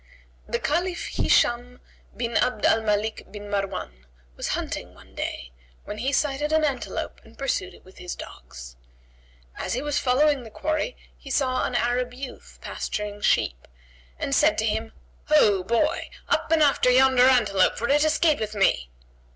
The Caliph Hishбm bin Abd al Malik bin Marwan, was hunting one day, when he sighted an antelope and pursued it with his dogs. As he was following the quarry, he saw an Arab youth pasturing sheep and said to him, "Ho boy, up and after yonder antelope, for it escapeth me!"